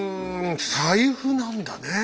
財布なんだねえ。